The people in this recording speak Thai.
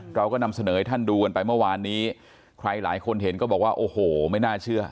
เราก็นำเสนอให้ท่านดูกันไปเมื่อวานนี้ใครหลายคนเห็นก็บอกว่าโอ้โหไม่น่าเชื่อ